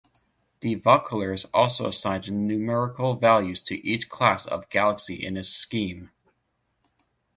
De Vaucouleurs also assigned numerical values to each class of galaxy in his scheme.